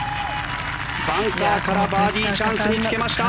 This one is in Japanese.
バンカーからバーディーチャンスにつけました。